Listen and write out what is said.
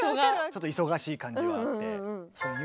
ちょっと忙しい感じはあって。